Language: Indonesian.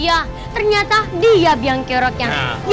iya ternyata dia biang kiroknya